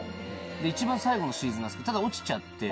一番最後のシーズンなんですけどただ落ちちゃって。